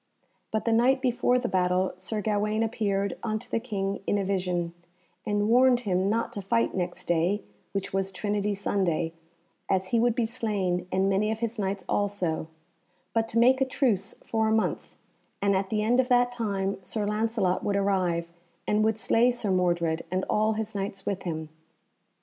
But the night before the battle Sir Gawaine appeared unto the King in a vision, and warned him not to fight next day, which was Trinity Sunday, as he would be slain and many of his Knights also; but to make a truce for a month, and at the end of that time Sir Lancelot would arrive, and would slay Sir Mordred, and all his Knights with him.